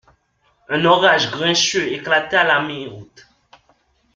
Un orage grincheux éclata à la mi-août.